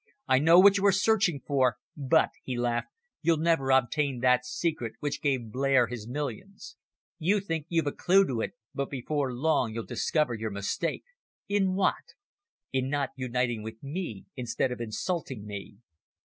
"I know what you are searching for but," he laughed, "you'll never obtain that secret which gave Blair his millions. You think you've a clue to it, but before long you'll discover your mistake." "In what?" "In not uniting with me, instead of insulting me."